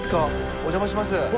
お邪魔します。